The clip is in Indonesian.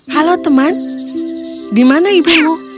halo teman dimana ibu